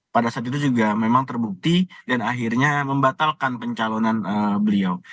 pada saat itu juga memang terbukti dan akhirnya membatalkan pencalonan beliau